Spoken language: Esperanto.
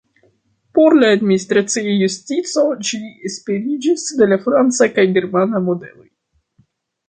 Por la administracia justico ĝi inspiriĝis de la franca kaj germana modeloj.